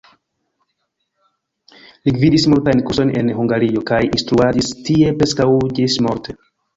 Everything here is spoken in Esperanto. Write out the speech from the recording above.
Li gvidis multajn kursojn en Hungario, kaj instruadis tie preskaŭ ĝis-morte.